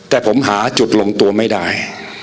แต่ผมหาจุดลงตัวไม่ได้